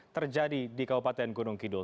terjadi di kabupaten gunung kidul